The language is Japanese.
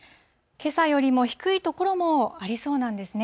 けさよりも低い所もありそうなんですね。